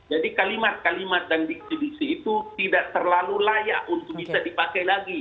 jadi kalimat kalimat dan dikidusi itu tidak terlalu layak untuk bisa dipakai lagi